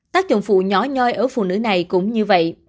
tác dụng phụ nhỏ nhoi ở phụ nữ này cũng như vậy